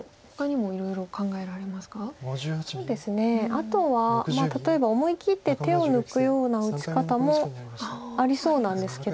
あとは例えば思い切って手を抜くような打ち方もありそうなんですけど。